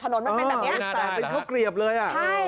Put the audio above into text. ถนนมันเป็นแบบนี้อ๋อได้ครับเป็นเข้าเกรียบเลยอ่ะโอ้โห